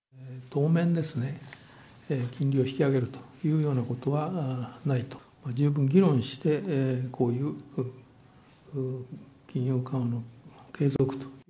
当面ですね、金利を引き上げるというようなことはないと、十分議論して、こういう金融緩和の継続と。